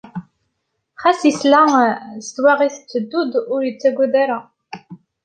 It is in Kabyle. Ɣas isla s twaɣit tetteddu-d, ur ittagwad ara.